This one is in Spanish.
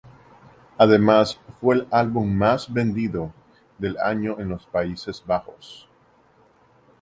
Además, fue el álbum más vendido del año en los Países Bajos.